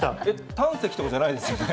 胆石とかじゃないですよね。